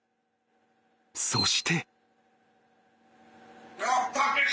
［そして］